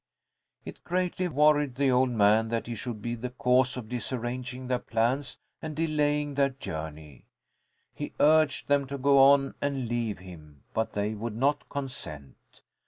It greatly worried the old man that he should be the cause of disarranging their plans and delaying their journey. He urged them to go on and leave him, but they would not consent.